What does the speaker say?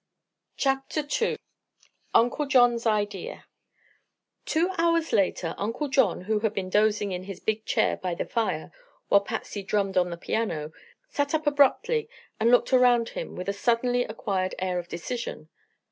CHAPTER II UNCLE JOHN'S IDEA Two hours later Uncle John, who had been dozing in his big chair by the fire while Patsy drummed on the piano, sat up abruptly and looked around him with a suddenly acquired air of decision.